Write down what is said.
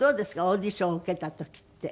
オーディションを受けた時って。